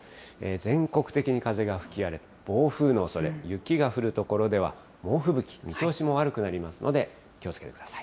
全国的に風が吹き荒れ、暴風のおそれ、雪が降る所では猛吹雪、見通しも悪くなりますので、気をつけてください。